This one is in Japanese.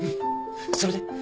それで？